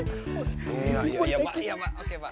ya ya ya pak oke pak